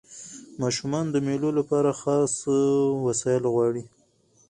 ماشومان د مېلو له پاره خاص وسایل غواړي.